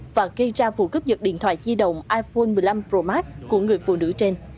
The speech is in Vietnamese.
và gây ra vụ cướp dật điện thoại di động iphone một mươi năm pro max của người phụ nữ trên